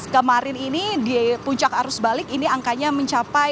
kemarin ini di puncak arus balik ini berubah menjadi empat belas enam ratus sembilan puluh dua